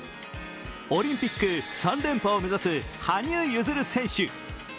オリンピック３連覇を目指す羽生結弦選手。